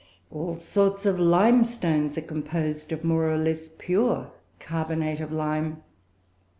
All sorts of limestones are composed of more or less pure carbonate of lime.